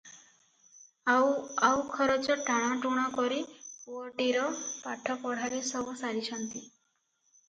ଆଉ ଆଉ ଖରଚ ଟାଣଟୁଣ କରି ପୁଅଟିର ପାଠ ପଢ଼ାରେ ସବୁ ସାରିଛନ୍ତି ।